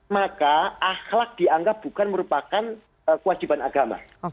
maka akhlak dianggap bukan merupakan kewajiban agama